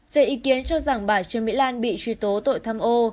về ý kiến cho rằng bà trương mỹ lan bị truy tố tội tham ô